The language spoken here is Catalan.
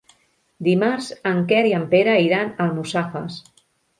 Dimarts en Quer i en Pere iran a Almussafes.